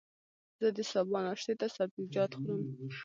زه د سبا ناشتې ته سبزيجات خورم.